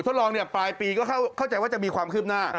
ทดลองปลายปีก็เข้าใจว่าจะมีความคืบหน้า